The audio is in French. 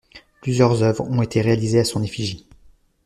Plusieurs œuvres ont été réalisées à son effigie.